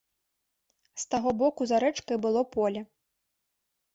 З таго боку за рэчкай было поле.